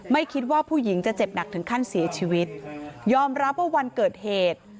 ไม่คิดว่าผู้หญิงจะเจ็บหนักถึงขั้นเสียชีวิตยอมรับว่าวันเกิดเหตุ